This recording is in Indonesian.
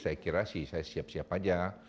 saya kira sih saya siap siap aja